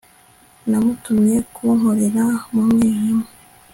Namutumye kunkorera mu mwijima